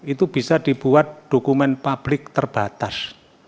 itu bisa dibuat dokumen publik terbatas